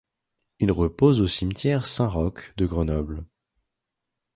Il repose au cimetière Saint-Roch de Grenoble.